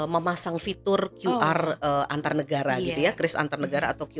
memasang fitur qr antar negara gitu ya kris antar negara atau qr